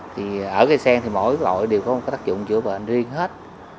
thì ở cây sen thì mỗi loại đều có một cái tác dụng chữa bệnh riêng hết